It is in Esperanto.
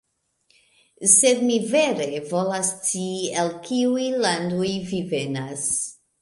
Sed, mi vere volas scii, el kiuj landoj vi venas.